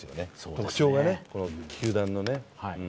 特徴がね、球団のね。